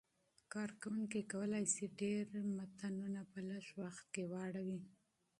کاروونکي کولای شي ډېر متنونه په لږ وخت کې واړوي.